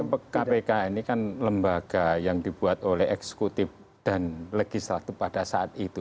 ya kpk ini kan lembaga yang dibuat oleh eksekutif dan legislatif pada saat itu